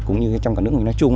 cũng như trong cả nước nói chung